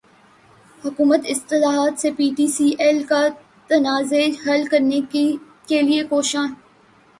حکومت اتصالات سے P T C L کا تنازع حل کرنے کیلئے کوشاں